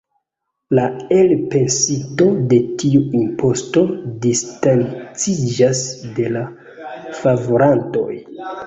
La elpensinto de tiu imposto distanciĝas de la favorantoj.